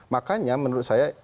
makanya menurut saya